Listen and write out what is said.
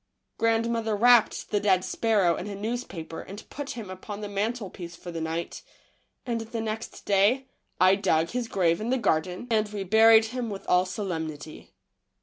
Grandmother wrapped the dead sparrow in a newspaper and put him upon the mantle piece for the night, and the next day I dug his GRANDMA'S WINTER VISITORS. 9 grave in the garden, and we buried him with all solemnity.